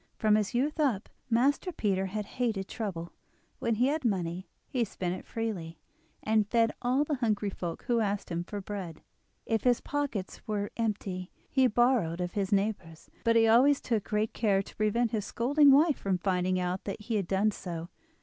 From his youth up, Master Peter had hated trouble; when he had money he spent it freely, and fed all the hungry folk who asked him for bread. If his pockets were empty he borrowed of his neighbours, but he always took good care to prevent his scolding wife from finding out that he had done so.